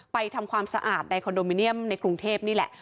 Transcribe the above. ทำความสะอาดในคอนโดมิเนียมในกรุงเทพนี่แหละ